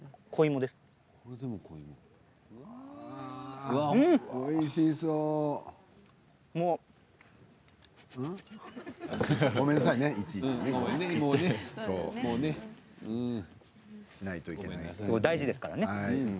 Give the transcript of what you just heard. マスク、大事ですからね。